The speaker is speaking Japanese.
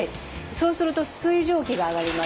そうすると水蒸気が上がります。